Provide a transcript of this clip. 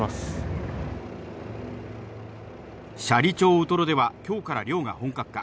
斜里町ウトロでは、きょうから漁が本格化。